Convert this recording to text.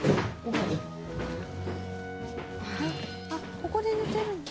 「ここで寝てるの？」